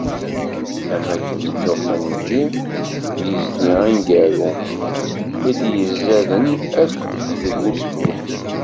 Am akken nuɣ tannumi, d yizli aneggaru i yezaden akk deg usefru.